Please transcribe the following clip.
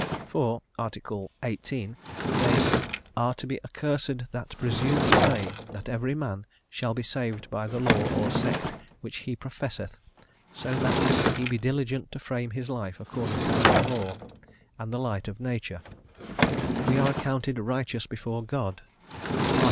For (Art. XVIII.) they "are to be accursed that presume to say that every man shall be saved by the law or sect which he professeth, so that he be diligent to frame his life according to that law, and the light of nature:" "we are accounted righteous before God (Art.